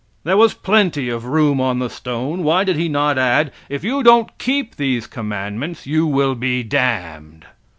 There was plenty of room on the stone; why did He not add: "If you don't keep these commandments you will be damned."